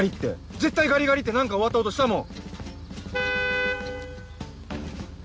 絶対「ガリガリ」って何か終わった音したもん。